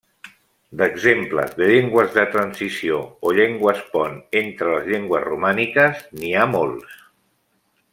D'exemples de llengües de transició o llengües pont entre les llengües romàniques n'hi ha molts.